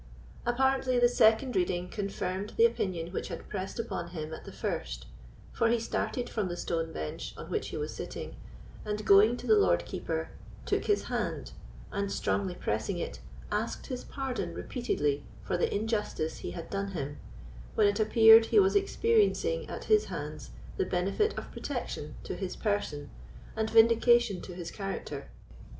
Apparently the second reading confirmed the opinion which had pressed upon him at the first, for he started from the stone bench on which he was sitting, and, going to the Lord Keeper, took his hand, and, strongly pressing it, asked his pardon repeatedly for the injustice he had done him, when it appeared he was experiencing, at his hands, the benefit of protection to his person and vindication to his character.